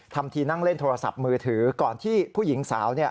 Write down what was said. ทำทีนั่งเล่นโทรศัพท์มือถือก่อนที่ผู้หญิงสาว